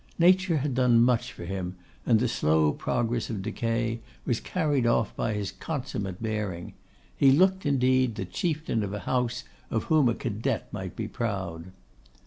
Nature had done much for him, and the slow progress of decay was carried off by his consummate bearing. He looked, indeed, the chieftain of a house of whom a cadet might be proud.